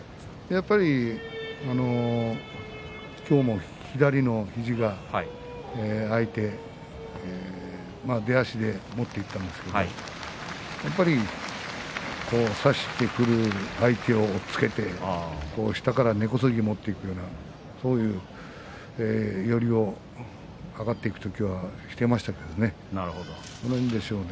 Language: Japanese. やっぱり今日も左の肘が空いて出足で持っていったんですけどやっぱり差してくる相手を押っつけて下から根こそぎ持っていくようなそういう寄りを上がっていく時はしていましたからね。